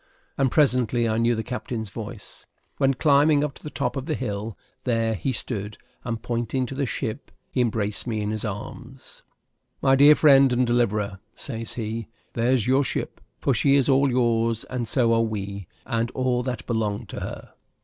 and presently I knew the captain's voice; when, climbing up to the top of the hill, there he stood, and, pointing to the ship, he embraced me in his arms. "My dear friend and deliverer," says he, "there's your ship; for she is all yours, and so are we, and all that belong to her."